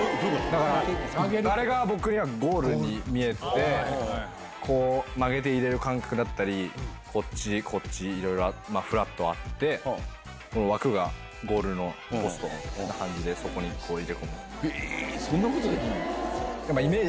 だから、相手コートが僕にはゴールに見えて、こう、曲げて入れる感覚だったり、こっち、こっち、いろいろ、ふらっとあって、この枠がゴールのポストの感じで、そこに入れ込そんなことできるの？